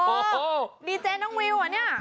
โอ้โฮดีเจย์น้องวิวอ่ะนี่